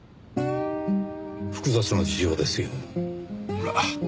複雑な事情ですよ。ほら。